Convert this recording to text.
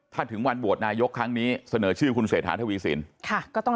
ถ้าถึงวันโหวตนายกครั้งนี้เสนอชื่อคุณเศรษฐาทวีสิน